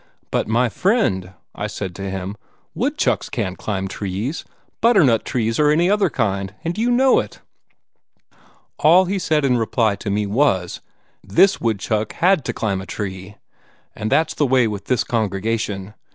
'But, my friend,' I said to him, 'woodchucks can't climb trees butternut trees or any other kind and you know it!' All he said in reply to me was: 'This woodchuck had to climb a tree!' And that's the way with this congregation.